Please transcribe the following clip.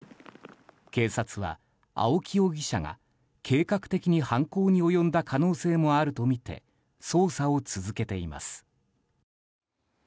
待ち構えて犯行に及んでいることから警察は青木容疑者が計画的に犯行に及んだ可能性もあるとみて捜査を続けています。